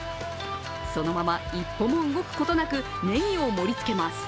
そのまま一歩も動くことなくねぎを盛りつけます。